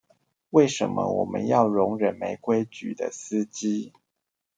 為什麼我們要容忍沒規矩的司機